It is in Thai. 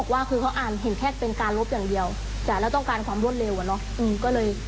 ก็เลยคิดเป็นการลบหมดเลย